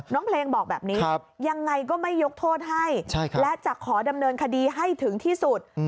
น้องเพลงบอกแบบนี้ยังไงก็ไม่ยกโทษให้และจะขอดำเนินคดีให้ถึงที่สุด